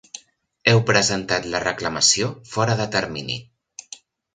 Heu presentat la reclamació fora de termini.